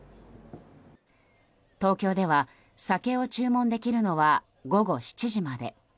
東京では、酒を注文できるのは午後７時まで。